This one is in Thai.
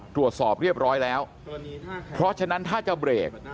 ตรวจสอบเรียบร้อยแล้วเพราะฉะนั้นถ้าจะเบรก